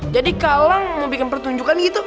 jadi kalau mau bikin pertunjukan gitu